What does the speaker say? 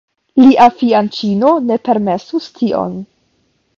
Lia fianĉino ne permesus tion.